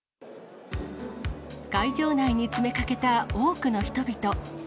会場内に詰めかけた多くの人々。